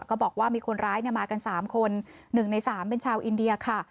ก็บอกว่ามีคนร้ายเนี่ยมากันสามคนหนึ่งในสามเป็นชาวอินเดียค่ะ